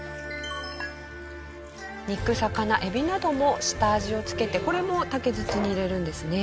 肉魚エビなども下味を付けてこれも竹筒に入れるんですね。